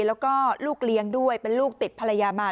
แล้วก็ลูกเลี้ยงด้วยเป็นลูกติดภรรยามา